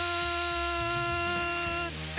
って